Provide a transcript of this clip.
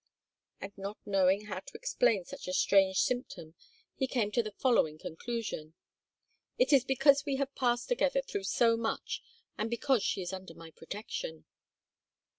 And not knowing how to explain such a strange symptom he came to the following conclusion: "It is because we have passed together through so much and because she is under my protection."